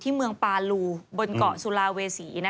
เมืองปาลูบนเกาะสุลาเวษี